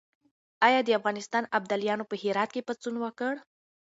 آیا د افغانستان ابدالیانو په هرات کې پاڅون وکړ؟